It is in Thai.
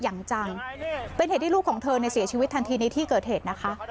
อย่างจังเป็นเหตุที่ลูกของเธอเนี่ยเสียชีวิตทันทีในที่เกิดเหตุนะคะ